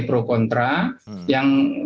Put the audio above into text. pro kontra yang